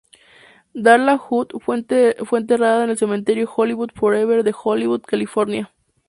Darla Hood fue enterrada en el Cementerio Hollywood Forever de Hollywood, California.